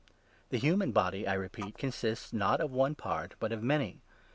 The 14 human body, I repeat, consists not of one part, but of many.